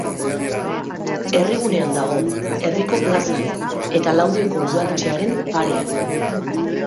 Herrigunean dago, Herriko plazan, eta Laudioko udaletxearen parean.